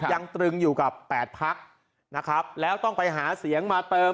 ตรึงอยู่กับ๘พักนะครับแล้วต้องไปหาเสียงมาเติม